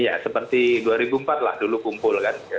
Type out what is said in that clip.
ya seperti dua ribu empat lah dulu kumpul kan